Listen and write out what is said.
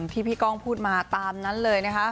ที่พี่ก้องพูดมาตามนั้นเลยนะคะ